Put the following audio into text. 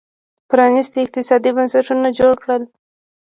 پرانېستي اقتصادي بنسټونه جوړ کړل